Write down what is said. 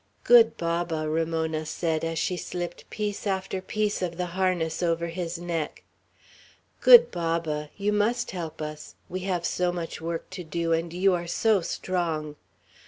"Good Baba!" Ramona said, as she slipped piece after piece of the harness over his neck, "Good Baba, you must help us; we have so much work to do, and you are so strong!